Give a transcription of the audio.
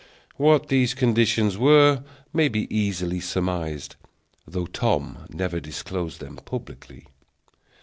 What these conditions were may be easily surmised, though Tom never disclosed them publicly.